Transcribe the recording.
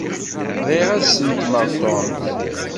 Bɣiɣ ad snetmeɣ Tom.